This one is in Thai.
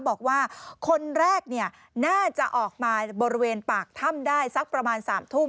บอกว่าคนแรกน่าจะออกมาบริเวณปากถ้ำได้สักประมาณ๓ทุ่ม